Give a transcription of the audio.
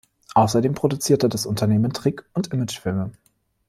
Außerdem produzierte das Unternehmen Trick- und Imagefilme.